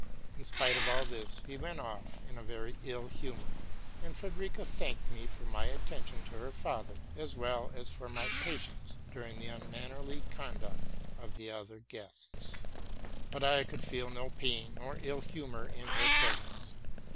In spite of all this he went off in a very ill humor; and Frederica thanked me for my attention to her father, as well as for my patience during the unmannerly conduct of the other guests, But I could feel no pain nor ill humor in her presence.